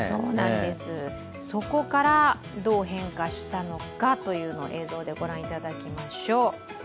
そこからどう変化したのかというのを映像で御覧いただきましょう。